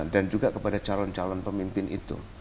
dan juga kepada calon calon pemimpin itu